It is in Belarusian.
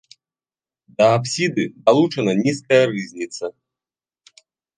Да апсіды далучана нізкая рызніца.